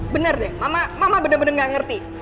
bener deh mama bener bener gak ngerti